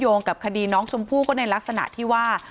จนสนิทกับเขาหมดแล้วเนี่ยเหมือนเป็นส่วนหนึ่งของครอบครัวเขาไปแล้วอ่ะ